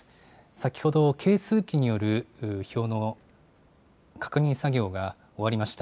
先ほど計数機による票の確認作業が終わりました。